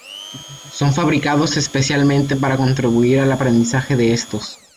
Son fabricados especialmente para contribuir al aprendizaje de estos.